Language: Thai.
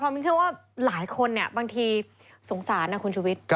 เพราะมีชื่อว่าหลายคนบางทีสงสารนะคุณชุวิต